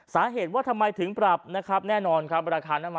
สาเหตุว่าทำไมถึงปรับนะครับแน่นอนครับ